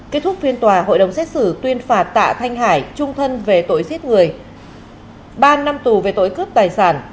kết thúc phiên tòa hội đồng xét xử tuyên phạt tạ thanh hải trung thân về tội giết người ba năm tù về tội cướp tài sản